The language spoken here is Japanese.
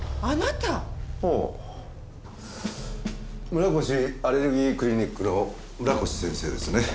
村越アレルギークリニックの村越先生ですね？